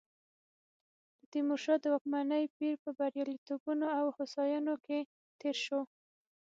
د تیمورشاه د واکمنۍ پیر په بریالیتوبونو او هوساینو کې تېر شو.